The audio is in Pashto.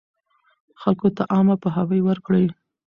خلکو ته عامه پوهاوی ورکړئ.